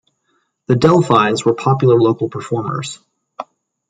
The Del-Phis were popular local performers.